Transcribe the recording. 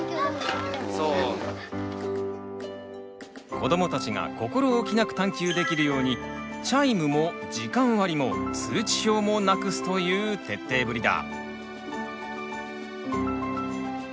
子どもたちが心置きなく探究できるようにチャイムも時間割りも通知表もなくすという徹底ぶりだ。